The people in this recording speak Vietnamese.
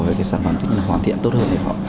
với cái sản phẩm hoàn thiện tốt hơn để họ